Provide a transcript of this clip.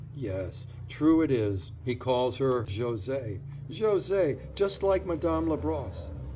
Yes, true it is; he calls her José. José, just like Madame Labrosse.